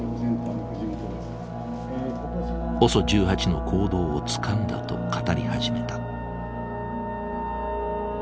ＯＳＯ１８の行動をつかんだと語り始めた。